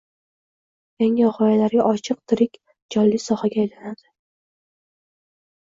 yangi g‘oyalarga ochiq, «tirik», jonli sohaga aylanadi.